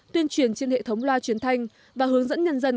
tuyên truyền trên hệ thống loa truyền thanh và hướng dẫn nhân dân